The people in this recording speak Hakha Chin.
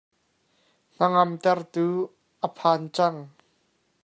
Hnangam tertu a phan cang.